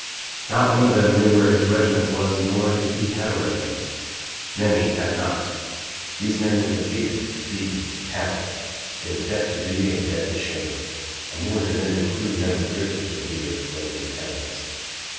Not one of them knew where his regiment was, nor if he had a regiment. Many had not. These men were defeated, beaten, cowed. They were deaf to duty and dead to shame. A more demented crew never drifted to the rear of broken battalions.